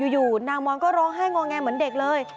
อยู่นางมอนก็ร้องไห้งอแงเหมือนเด็กเลย